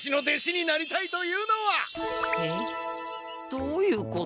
どういうこと？